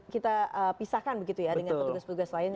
kita pisahkan begitu ya dengan petugas petugas lain